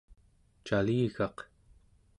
caligaq